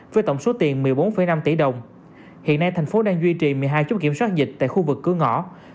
với tổng số tiền một mươi bốn năm tỷ đồng hiện nay thành phố đang duy trì một mươi hai chút kiểm soát dịch tại khu vực cửa ngõ